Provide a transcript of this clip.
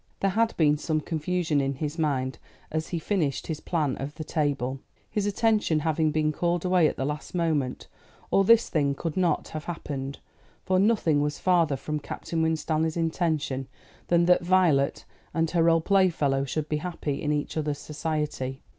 There had been some confusion in his mind as he finished his plan of the table; his attention having been called away at the last moment, or this thing could not have happened for nothing was farther from Captain Winstanley's intention than that Violet and her old playfellow should be happy in each other's society.